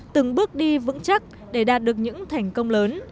từng bước đi vững chắc để đạt được những thành công lớn